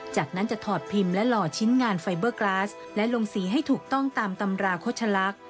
จากนั้นจะถอดพิมพ์และหล่อชิ้นงานไฟเบอร์กราสและลงสีให้ถูกต้องตามตำราโฆษลักษณ์